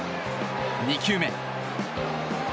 ２球目。